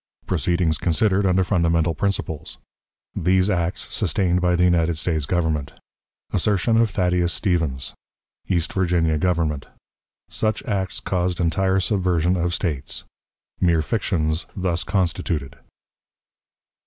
Proceedings considered under Fundamental Principles. These Acts sustained by the United States Government. Assertion of Thaddeus Stevens. East Virginia Government. Such Acts caused Entire Subversion of States. Mere Fictions thus constituted.